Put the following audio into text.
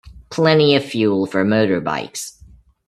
Plenty of fuel for motorbikes.